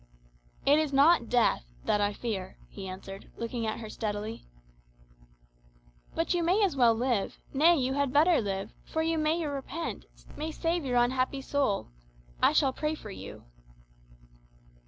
"It is not death that I fear," he answered, looking at her steadily. "But you may as well live; nay, you had better live. For you may repent, may save your unhappy soul. I shall pray for you."